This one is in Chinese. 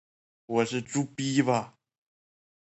我是猪鼻吧